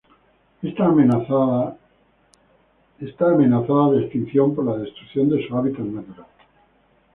Está amenazada de extinción por la destrucción de su hábitat natural.